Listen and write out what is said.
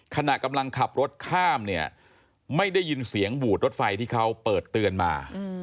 ขณะกำลังขับรถข้ามเนี่ยไม่ได้ยินเสียงบูดรถไฟที่เขาเปิดเตือนมา